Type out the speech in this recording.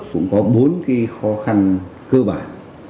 cũng có bốn cái khó khăn cơ bản